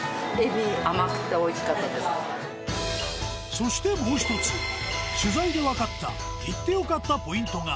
そしてもう一つ取材でわかった行って良かったポイントが。